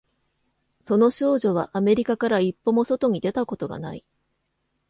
その少女はアメリカから一歩も外に出たことがない